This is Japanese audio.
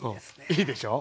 いいでしょう。